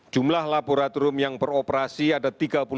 jumlah laboratorium yang beroperasi ada tiga puluh delapan